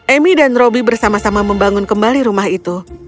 emi dan robby bersama sama membangun kembali rumah itu